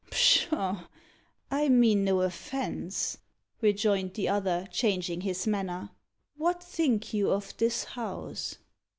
"Pshaw! I mean no offence," rejoined the other, changing his manner. "What think you of this house?"